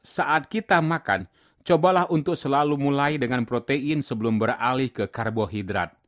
saat kita makan cobalah untuk selalu mulai dengan protein sebelum beralih ke karbohidrat